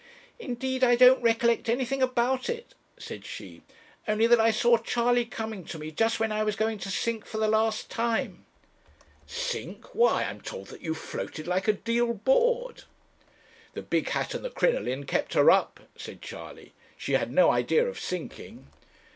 'Indeed I don't recollect anything about it,' said she, 'only that I saw Charley coming to me, just when I was going to sink for the last time.' 'Sink! Why, I'm told that you floated like a deal board.' 'The big hat and the crinoline kept her up,' said Charley; 'she had no idea of sinking.'